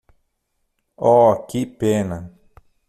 Oh, que pena!